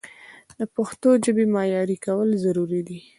د پښتو ژبې معیاري کول ضروري دي.